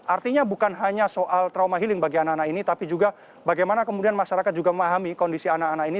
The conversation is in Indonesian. artinya bukan hanya soal trauma healing bagi anak anak ini tapi juga bagaimana kemudian masyarakat juga memahami kondisi anak anak ini